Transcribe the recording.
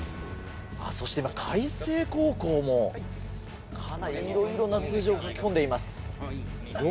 そして今開成高校もいろいろな数字を書き込んでいます。